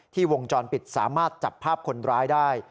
วงจรปิดสามารถจับภาพคนร้ายได้